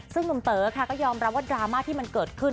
ซึ่งตนเต๋อก็ยอมรับว่าดรามาที่เกิดขึ้น